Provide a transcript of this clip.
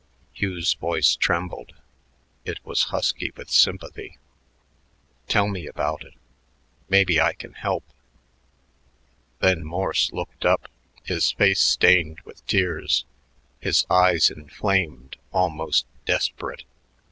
Hugh's voice trembled; it was husky with sympathy. "Tell me about it. Maybe I can help." Then Morse looked up, his face stained with tears, his eyes inflamed, almost desperate.